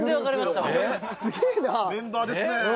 メンバーですね。